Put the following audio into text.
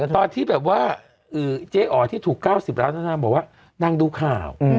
ตอนที่แบบว่าเจ๊อ๋อที่ถูก๙๐ล้านนางบอกว่านางดูข่าว